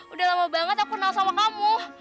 udah lama banget aku kenal sama kamu